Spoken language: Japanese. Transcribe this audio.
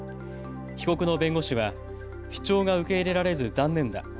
被告の弁護士は主張が受け入れられず残念だ。